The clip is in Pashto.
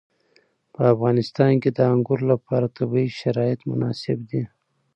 په افغانستان کې د انګورو لپاره طبیعي شرایط مناسب دي.